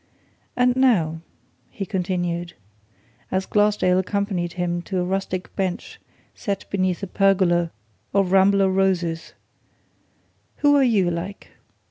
And now," he continued, as Glassdale accompanied him to a rustic bench set beneath a pergola of rambler roses, "who are you, like?